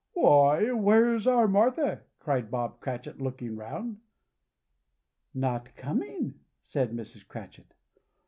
"Why, Where's our Martha?" cried Bob Cratchit looking round. "Not coming," said Mrs. Cratchit.